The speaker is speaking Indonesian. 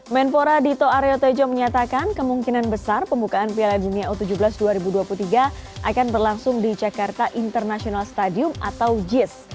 menpora dito aryo tejo menyatakan kemungkinan besar pembukaan piala dunia u tujuh belas dua ribu dua puluh tiga akan berlangsung di jakarta international stadium atau jis